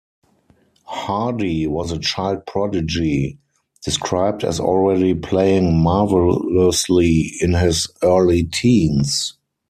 Hardy was a child prodigy, described as already playing marvelously in his early teens.